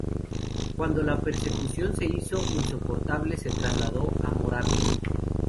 Cuando la persecución se hizo insoportable, se trasladó a Moravia.